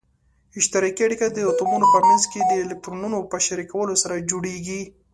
اشتراکي اړیکه د اتومونو په منځ کې د الکترونونو په شریکولو سره جوړیږي.